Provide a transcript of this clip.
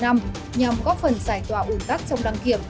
nhằm góp phần giải tỏa ủn tắc trong đăng kiểm